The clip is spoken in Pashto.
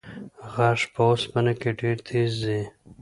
غږ په اوسپنه کې ډېر تېز ځي.